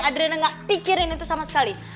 adrina gak pikirin itu sama sekali